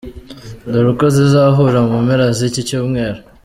Dore uko zizahura mu mpera z’iki cyumweru :